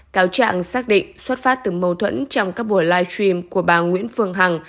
cáo trạng xác định xuất phát từ mâu thuẫn trong các buổi live stream của bà nguyễn phương hằng